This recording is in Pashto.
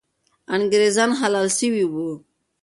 انګریزان حلال سوي وو.